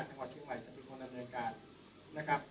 จังหวัดเชียงใหม่จะเป็นคนดำเนินการนะครับ